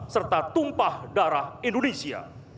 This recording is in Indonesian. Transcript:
serta tumpah darah indonesia